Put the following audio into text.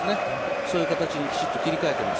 そういう形にきちっと切り替えています。